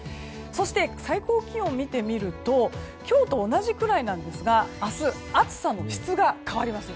そして、最高気温を見ると今日と同じくらいなんですが明日、暑さの質が変わります。